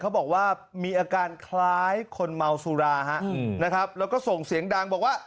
เขาบอกว่ามีอาการคล้ายคนเมาสุราฮะนะครับแล้วก็ส่งเสียงดังบอกว่า